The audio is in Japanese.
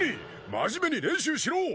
真面目に練習しろ！